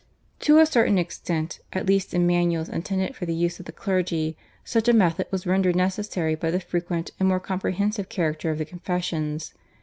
To a certain extent, at least in manuals intended for the use of the clergy, such a method was rendered necessary by the frequent and more comprehensive character of the confessions.